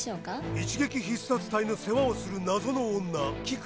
一撃必殺隊の世話をする謎の女キク。